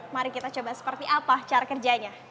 mari kita coba seperti apa cara kerjanya